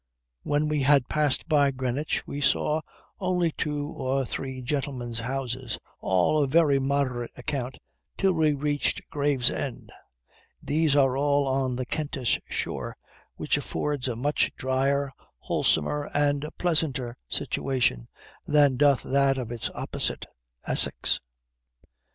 When we had passed by Greenwich we saw only two or three gentlemen's houses, all of very moderate account, till we reached Gravesend: these are all on the Kentish shore, which affords a much dryer, wholesomer, and pleasanter situation, than doth that of its opposite, Essex.